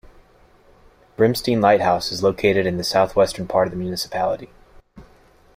Bremstein Lighthouse is located in the southwestern part of the municipality.